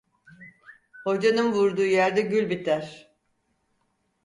Hocanın vurduğu yerde gül biter.